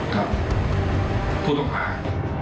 กับภูมิภาค